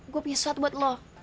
gue punya sesuatu buatmu